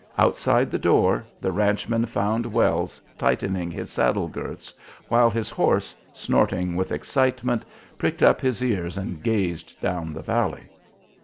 Outside the door the ranchman found Wells tightening his saddle girths, while his horse, snorting with excitement, pricked up his ears and gazed down the valley.